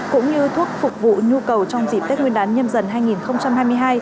cũng như thuốc phục vụ nhu cầu trong dịp tết nguyên đán nhâm dần hai nghìn hai mươi hai